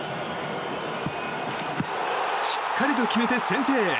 しっかりと決めて先制。